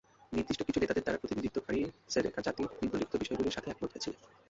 নির্দিষ্ট কিছু নেতাদের দ্বারা প্রতিনিধিত্বকারী সেনেকা জাতি নিম্নলিখিত বিষয়গুলির সাথে একমত হয়েছিল।